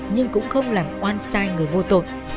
nhưng cũng không làm oan sai người vô tội